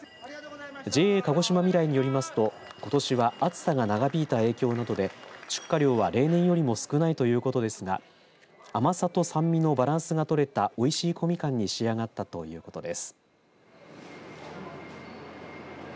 ＪＡ鹿児島みらいによりますとことしは暑さが長引いた影響などで出荷量は例年よりも少ないということですが甘さと酸味のバランスが取れたおいしい小みかんに仕上がったということです。